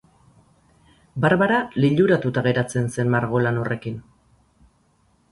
Barbara liluratuta geratu zen margolan horrekin.